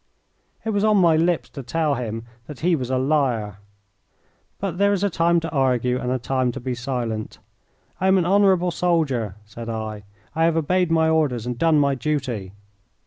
It was on my lips to tell him that he was a liar, but there is a time to argue and a time to be silent. "I am an honourable soldier," said I. "I have obeyed my orders and done my duty."